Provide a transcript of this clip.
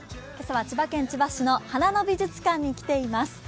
今朝は千葉県千葉市の花の美術館に来ています。